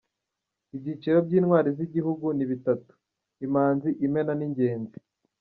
Ibyiciro by’intwari z’igihugu ni bitatu: Imanzi, Imena n’Ingenzi.